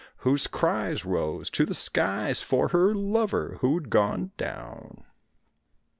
Whose cries rose to the skies for her lover who'd gone down.